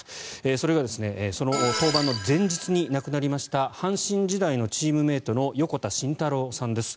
それがその登板の前日に亡くなりました阪神時代のチームメートの横田慎太郎さんです。